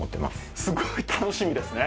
すごい楽しみですね！